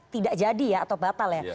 tidak jadi ya atau batal ya